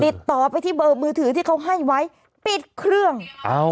ติดต่อไปที่เบอร์มือถือที่เขาให้ไว้ปิดเครื่อง